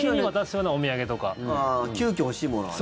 急きょ欲しいものはね。